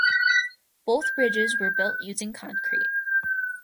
Both bridges were built using concrete.